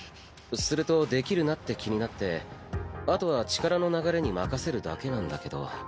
するとできるなって気になってあとは力の流れに任せるだけなんだけど。